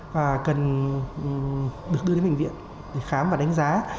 và cần được đưa đến bệnh viện để khám và đánh giá